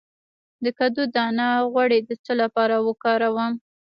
د کدو دانه غوړي د څه لپاره وکاروم؟